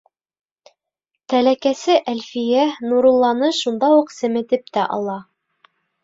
Тәләкәсе Әлфиә Нурулланы шунда уҡ семетеп тә ала: